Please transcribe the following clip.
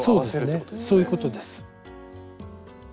そういうことです。